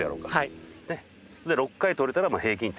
６回取れたら平均点。